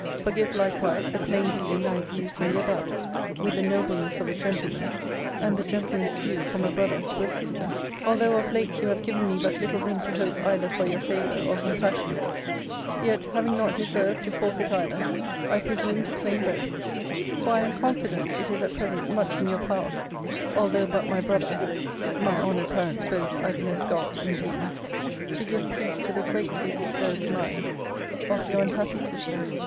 Forgive likewise the plain dealing I have used in the above, with the nobleness of a gentleman, and the gentleness due from a brother to a sister. Although of late you have given me but little room to hope either for your favour or compassion; yet, having not deserved to forfeit either, I presume to claim both: for I am confident it is at present much in your power, although but my brother (my honoured parents both, I bless God, in being), to give peace to the greatly disturbed mind of Your unhappy sister, CL.